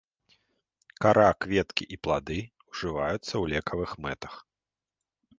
Кара, кветкі і плады ўжываюцца ў лекавых мэтах.